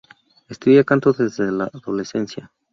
Estudia canto desde la adolescencia.